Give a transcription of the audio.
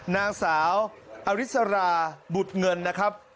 นางสาวอริสราบุตรเงินนะครับ